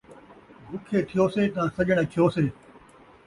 بکھے تھیوسے تاں سڄݨ اکھیوسے